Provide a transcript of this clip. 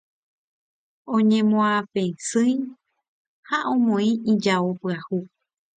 oñemoapesýi ha omoĩ ijao pyahu